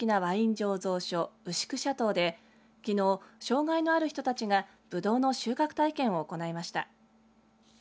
醸造所牛久シャトーで、きのう障害のある人たちがぶどうの収穫体験を行いました。